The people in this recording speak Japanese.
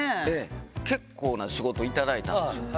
結構な仕事頂いたんですよ。